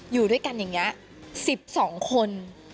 อยู่ด้วยกันอย่างนี้๑๒คน